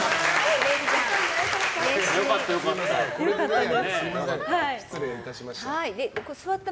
良かった、良かった。